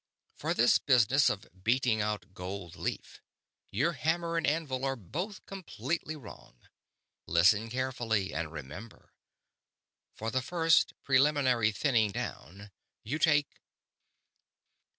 "For this business of beating out gold leaf, your hammer and anvil are both completely wrong. Listen carefully and remember. For the first, preliminary thinning down, you take